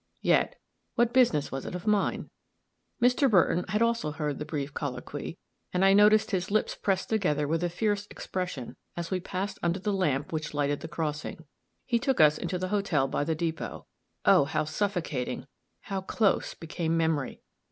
Yet what business was it of mine? Mr. Burton had also heard the brief colloquy, and I noticed his lips pressed together with a fierce expression as we passed under the lamp which lighted the crossing. He took us into the hotel by the depot. Oh, how suffocating, how close, became memory!